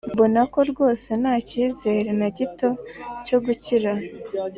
mbona ko rwose ntacyizere nagito cyo gukira.